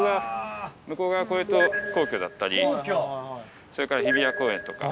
向こう側越えると皇居だったりそれから日比谷公園とか。